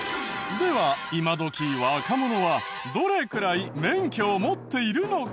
では今どき若者はどれくらい免許を持っているのか？